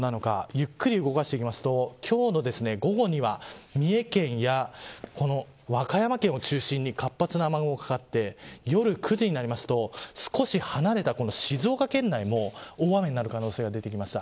ゆっくり動かしていくと今日の午後には三重県や和歌山県を中心に活発な雨雲がかかって夜９時になると少し離れた静岡県内も大雨になる可能性が出てきました。